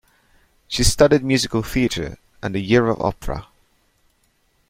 She studied musical theatre and a year of opera.